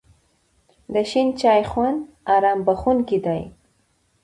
د شین چای خوند آرام بښونکی دی.